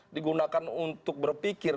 digunakan untuk berpikir